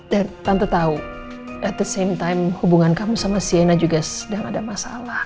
dan tante tahu at the same time hubungan kamu sama sienna juga sedang ada masalah